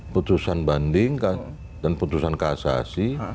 putusan banding dan putusan kasasi